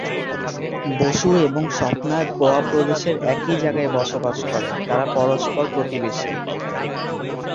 বসু এবং স্বপ্না গোয়া প্রদেশের একই জায়গায় বসবাস করে, তারা পরস্পর প্রতিবেশী।